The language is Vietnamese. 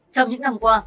trong những năm qua